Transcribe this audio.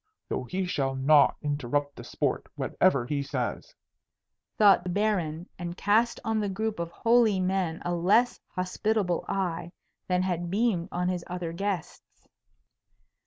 "Though he shall not interrupt the sport, whatever he says," thought the Baron, and cast on the group of holy men a less hospitable eye than had beamed on his other guests.